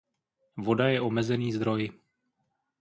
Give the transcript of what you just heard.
Voda je omezený zdroj.